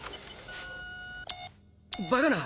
バカな！